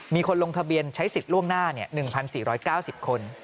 มีคนลงทะเบียนใช้สิทธิ์ล่วงหน้า๑๔๙๐คน